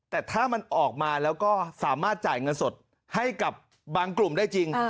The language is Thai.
แต่ถ้ามันออกมาแล้วก็สามารถจ่ายเงินสดให้กับบางกลุ่มได้จริง